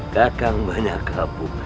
kekang banyak abu